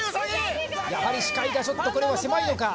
やはり視界がちょっとこれは狭いのか？